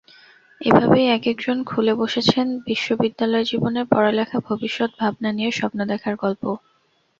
এভাবেই একেকজন খুলে বসেছেন বিশ্ববিদ্যালয়জীবনের পড়ালেখা, ভবিষ্যৎ ভাবনা নিয়ে স্বপ্ন দেখার গল্প।